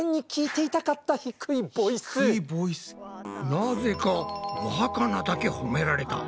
なぜかわかなだけ褒められた。